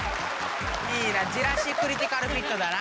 いいなじらしクリティカルフィットだな。